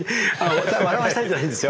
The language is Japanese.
笑わせたいんじゃないんですよ。